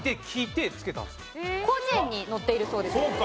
『広辞苑』に載っているそうです。